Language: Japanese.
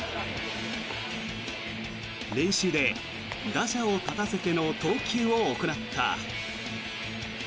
練習で打者を立たせての投球を行った。